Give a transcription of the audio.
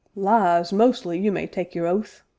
"Lies, mostly, you may tak' your oath!"